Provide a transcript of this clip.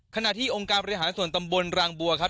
ขณะที่องค์การบริหารส่วนตำบลรางบัวครับ